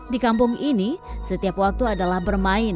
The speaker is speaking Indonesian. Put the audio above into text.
di kampung ini setiap wakil dan anak anak yang berada di kampung ini